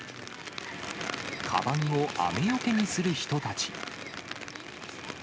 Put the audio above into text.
かばんを雨よけにする人たち。